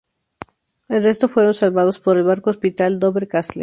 El resto fueron salvados por el barco hospital "Dover Castle".